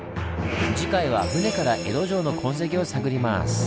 次回は船から江戸城の痕跡を探ります！